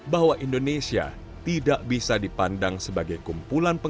bahwa indonesia tidak bisa dipandang sebagai kota yang berkelanjutan